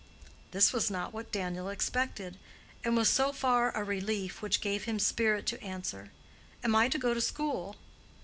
This was not what Daniel expected, and was so far a relief, which gave him spirit to answer, "Am I to go to school?"